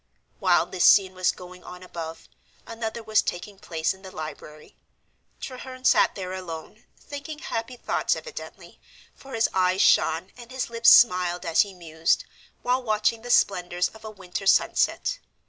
While this scene was going on above, another was taking place in the library. Treherne sat there alone, thinking happy thoughts evidently, for his eyes shone and his lips smiled as he mused, while watching the splendors of a winter sunset.